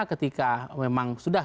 ketika memang sudah